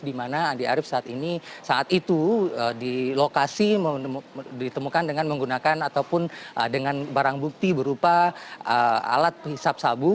di mana andi arief saat ini saat itu di lokasi ditemukan dengan menggunakan ataupun dengan barang bukti berupa alat hisap sabu